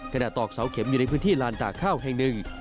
ตอกเสาเข็มอยู่ในพื้นที่ลานตากข้าวแห่งหนึ่ง